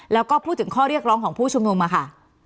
แล้วก็พูดถึงข้อเรียกร้องของผู้ชุมนุมค่ะ